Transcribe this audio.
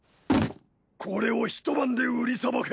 これをひと晩で売りさばけ。